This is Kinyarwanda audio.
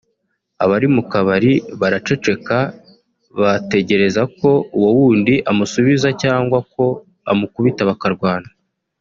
abari mu kabari baraceceka bategereje ko uwo wundi amusubiza cyangwa ko amukubita bakarwana